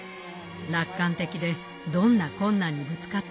楽観的でどんな困難にぶつかっても耐え抜く。